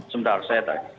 sebentar saya tadi